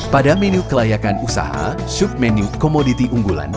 pada menu kelayakan usaha submenu komoditi unggulan